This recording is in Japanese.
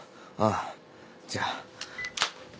ああじゃ。